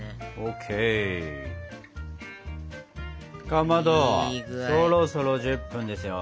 かまどそろそろ１０分ですよ。